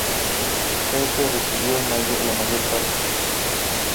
Persia recibió la mayor parte.